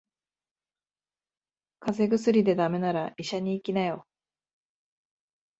風邪薬で駄目なら医者に行きなよ。